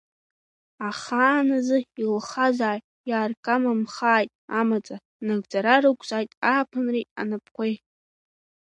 Ахааназы илхзааит, иаргамамхааит амаӡа, Нагӡара рықәзааит ааԥынреи анапқәеи!